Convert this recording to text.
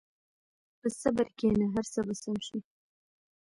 په صبر کښېنه، هر څه به سم شي.